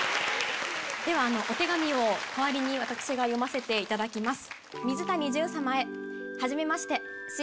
お手紙を代わりに私が読ませていただきます。